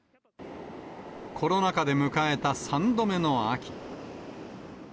コロナ禍で迎えた３度目の秋。